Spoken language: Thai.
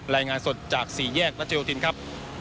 รายงานสดจากสี่แยกรัชโยธินครับ